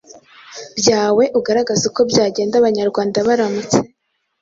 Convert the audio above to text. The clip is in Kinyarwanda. byawe ugaragaza uko byagenda Abanyarwanda baramutse